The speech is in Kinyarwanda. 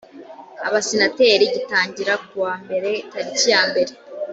abasenateri gitangira ku wa mbere tariki yambere